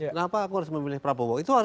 kenapa aku harus memilih prabowo